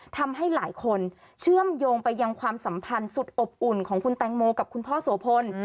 ทำให้หลายคนเชื่อมโยงไปยังความสัมพันธ์สุดอบอุ่นของคุณแตงโมกับคุณพ่อโสพล